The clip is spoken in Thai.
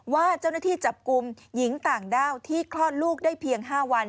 ว่าเจ้าหน้าที่จับกลุ่มหญิงต่างด้าวที่คลอดลูกได้เพียง๕วัน